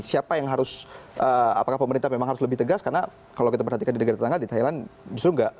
siapa yang harus apakah pemerintah memang harus lebih tegas karena kalau kita perhatikan di negara tetangga di thailand justru enggak